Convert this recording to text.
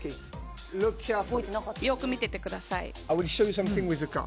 よく見ててください。